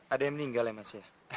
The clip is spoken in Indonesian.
ada yang meninggal ya mas ya